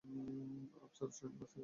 আফসার সাহেব নাশতা খেতে বসেছেন।